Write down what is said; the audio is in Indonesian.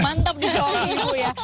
mantap di jawabin bu ya